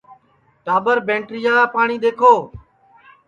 ٹاٻر بیٹریا کا پاٹؔی دؔیکھو